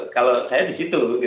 kalau saya di situ